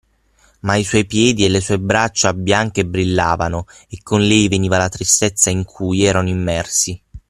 ma i suoi piedi e le sue braccia bianche brillavano, e con lei veniva la tristezza in cui erano immersi.